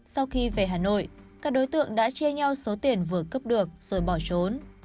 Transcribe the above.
sau khi về hà nội các đối tượng đã chia nhau số tiền vừa cướp được rồi bỏ trốn